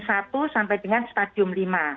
sampai dengan stadium lima